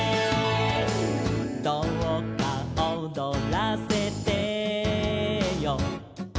「どうか踊らせてよ」